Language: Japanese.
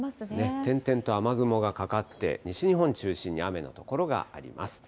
点々と雨雲がかかって、西日本中心に雨の所があります。